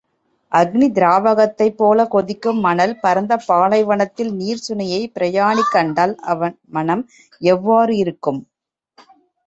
அக்கினி திராவகத்தைப் போல கொதிக்கும் மணல் பரந்த பாலைவனத்தில் நீர்ச்சுனையைப் பிரயாணி கண்டால், அவன் மனம் எவ்வாறு இருக்கும்?